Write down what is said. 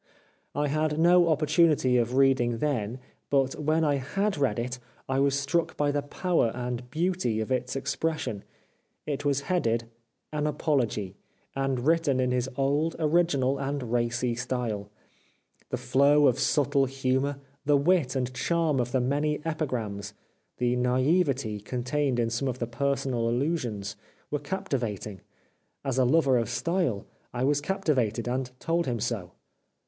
I had no opportunity of reading then, but when I had read it I was struck by the power and beauty of its expresssion. It was headed :'' An Apology," and written in his old, original, and racy style. The flow of subtle humour, the wit and charm of the many epigrams, the naivete contained in some of the personal allusions, were captivating. As a lover of style, I was capti vated, and told him so.